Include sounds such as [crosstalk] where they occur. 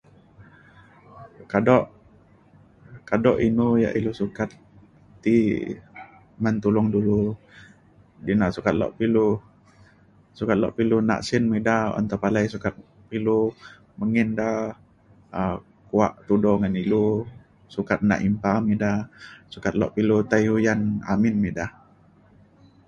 Kadu' kadu' inu ya ilu sukat ti ngan tulung dulu ina sukat ka ilu sukat lok ilu nak sin mida un tepalai sukat ilu mengin da um buak tulung ngan ilu sukat na [unintelligible] mida sukat lok ilu tai puyan amin mida.